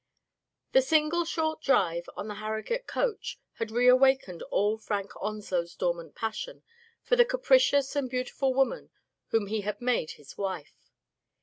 The single short drive on the Harrogate coach had re awakened all Frank Onslow's dormant passion for the capricious and beautiful woman whom he had made his wife.